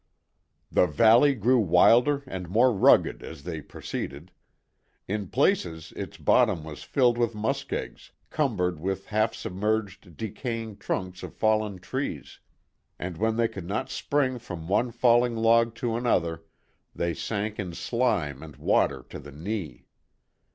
The valley grew wilder and more rugged as they proceeded. In places, its bottom was filled with muskegs, cumbered with half submerged, decaying trunks of fallen trees; and when they could not spring from one falling log to another they sank in slime and water to the knee.